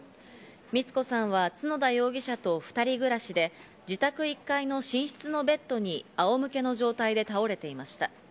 光子さんは角田容疑者と２人暮らしで、自宅１階の寝室のベッドに仰向けの状態で倒れていました。